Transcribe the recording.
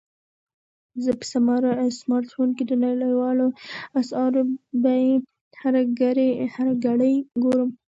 زه په خپل سمارټ فون کې د نړیوالو اسعارو بیې هره ګړۍ ګورم.